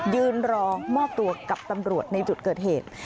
ยืนรอมอบตัวกับตำรวจในจุดเกิดเหตุ